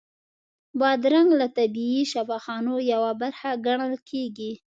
بادرنګ له طبیعي شفاخانو یوه برخه ګڼل کېږي.